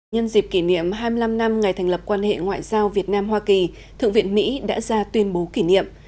nhân dịp kỷ niệm hai mươi năm năm ngày thành lập quan hệ ngoại giao việt nam hoa kỳ thượng viện mỹ đã ra tuyên bố kỷ niệm